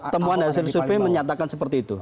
temuan hasil survei menyatakan seperti itu